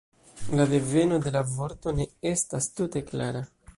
La deveno de la vorto ne estas tute klara.